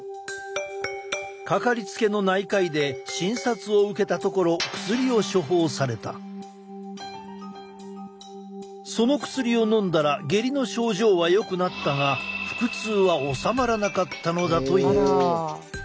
掛かりつけの内科医で診察を受けたところその薬をのんだら下痢の症状はよくなったが腹痛は治まらなかったのだという。